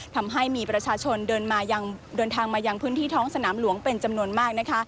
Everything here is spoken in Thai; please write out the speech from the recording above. ทำให้มีประชาชนเดินทางมายังพื้นที่ท้องสนามหลวงเป็นจำนวนมาก